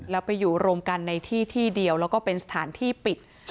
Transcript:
แล้วไปอยู่รวมกันในที่ที่เดียวแล้วก็เป็นสถานที่ปิด